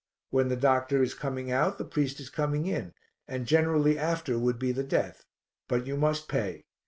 When the doctor is coming out, the priest is coming in, and generally after would be the death. But you must pay.